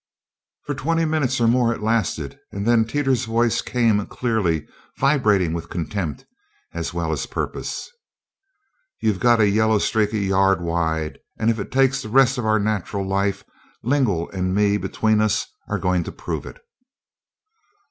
For twenty minutes or more it lasted, and then Teeters' voice came clearly, vibrating with contempt as well as purpose: "You got a yellow streak a yard wide and if it takes the rest of our natural life Lingle and me between us are goin' to prove it!"